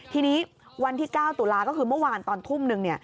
ทีนี้วันที่๙ตุลาก็คือเมื่อวานตอนทุ่มนึง